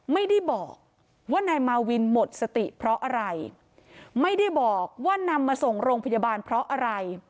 ไม่ได้บอกว่านายมาวินหมดสติเพราะอะไรไม่ได้บอกว่านำมาส่งโรงพยาบาลเพราะอะไร